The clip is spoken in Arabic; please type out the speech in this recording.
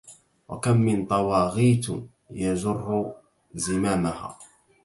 وكم من طواغيت يجر زمامها